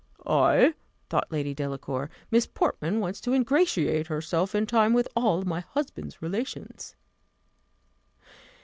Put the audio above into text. Ay, thought Lady Delacour, Miss Portman wants to ingratiate herself in time with all my husband's relations.